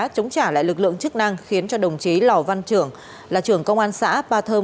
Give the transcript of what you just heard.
chống trả lại lực lượng chức năng khiến cho đồng chí lò văn trưởng là trưởng công an xã ba thơm